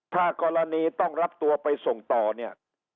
ถ้ากรณีต้องรับตัวไปส่งต่อเนี่ย